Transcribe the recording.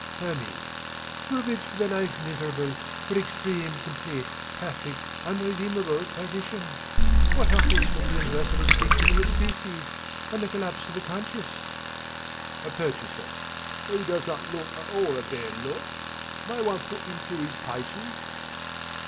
HERMES: Who bids for the Life Miserable, for extreme, complete, perfect, unredeemable perdition? What offers for the universal extinction of the species, and the collapse of the Conscious? A PURCHASER: He does not look at all a bad lot. May one put him through his paces?